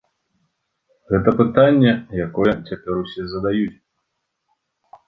Гэта пытанне, якое цяпер усе задаюць.